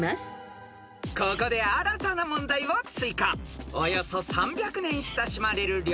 ［ここで新たな問題を追加］